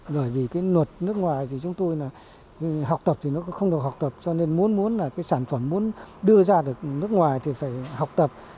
bởi vì cái luật nước ngoài thì chúng tôi là học tập thì nó cũng không được học tập cho nên muốn muốn là cái sản phẩm muốn đưa ra được nước ngoài thì phải học tập